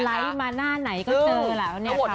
สไลด์มาหน้าไหนก็เจอละ